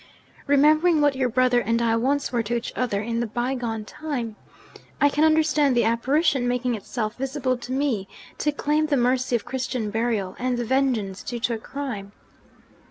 Remembering what your brother and I once were to each other in the bygone time, I can understand the apparition making itself visible to me, to claim the mercy of Christian burial, and the vengeance due to a crime.